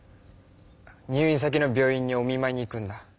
入院先の病院にお見まいに行くんだ。